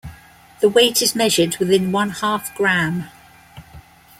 The weight is measured within one-half gram.